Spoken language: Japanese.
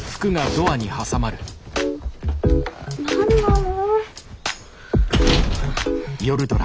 何なの。